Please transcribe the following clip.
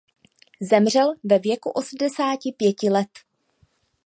Zemřel ve věku osmdesáti pěti let.